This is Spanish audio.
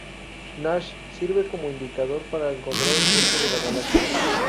Nash sirve como indicador para encontrar el centro de la galaxia.